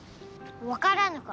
わからぬか？